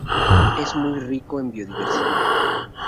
Es muy rico en biodiversidad.